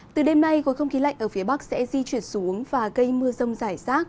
từ đêm nay khối không khí lạnh ở phía bắc sẽ di chuyển xuống và gây mưa rông rải rác